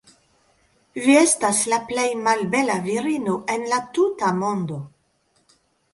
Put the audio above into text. Vi estas la plej malbela virino en la tuta mondo."